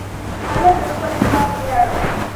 هلک د خپل هېواد ویاړ دی.